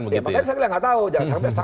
ya makanya saya nggak tahu